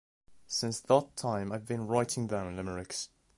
Since that time I have been writing down limericks.